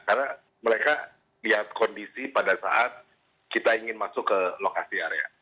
karena mereka lihat kondisi pada saat kita ingin masuk ke lokasi area